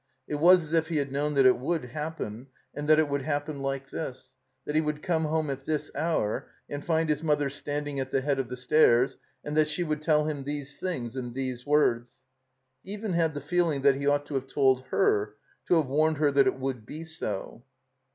It was as if he had known that it would happen, and that it would hap pen like this, that he would come home at this hour and find his mother standing at the head of the stairs, and that she would tell him these things in these words. He even had the feeling that he ought to have told her^ to have warned her that it would be so.